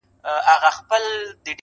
o يار دي مي تور جت وي، زما دي اسراحت وي٫